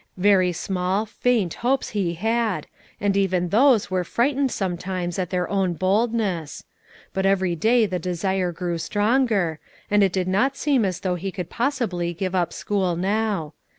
Very small, faint hopes he had, and even those were frightened sometimes at their own boldness; but every day the desire grew stronger, and it did not seem as though he could possibly give up school now.